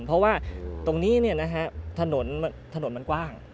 เพราะว่าตรงนี้เนี่ยนะฮะถนนมันกว้าง